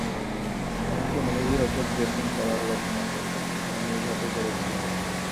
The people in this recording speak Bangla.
এমনকি মেহেদীর ওষুধ-ড্রেসিং করার লোক নেই কোথাও, আমি নিজ হাতেই করছি এসব।